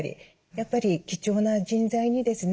やっぱり貴重な人材にですね